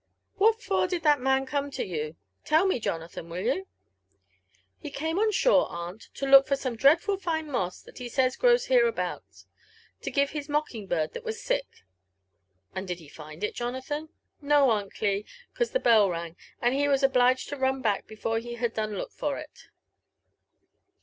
What for did that man come to you ; tell me, Jonathan, will youT' *' He came on shore, aunt, to look foj some dreadful fine moss that he says grows hereabouts, to give to his mocking bird that was sick." " And did he find it, Jonathan?" "No, Aunt Cli, 'cause the bell rung, and he was obliged to run back before he had done looked for it."